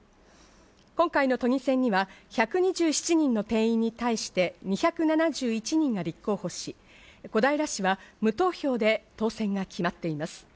今回の都議選には１２７人の定員に対して、２７１人が立候補し、小平市は無投票で当選が決まっています。